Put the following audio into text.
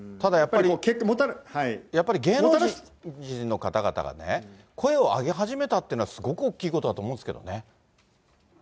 やっぱり、芸能人の方々がね、声を上げ始めたっていうのは、すごく大きいことだと思うんですけどね。